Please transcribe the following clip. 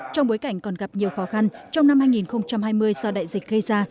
trong bối cảnh còn gặp nhiều khó khăn trong năm hai nghìn hai mươi do đại dịch gây ra